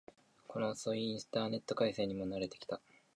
この遅いインターネット回線にも慣れてきた